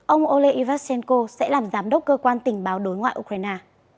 ông ole ivashenko sẽ làm giám đốc cơ quan tình báo đối ngoại ukraine